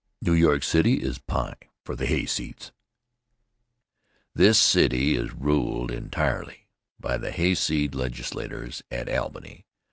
New York City Is Pie for the Hayseeds THIS city is ruled entirely by the hayseed legislators at Albany.